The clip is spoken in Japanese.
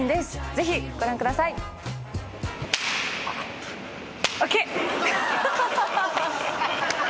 ぜひご覧ください。ＯＫ！